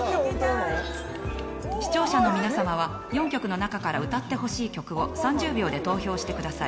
視聴者の皆さまは４曲の中から歌ってほしい曲を３０秒で投票してください。